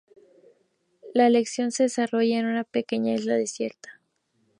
La acción se desarrolla en una pequeña isla desierta.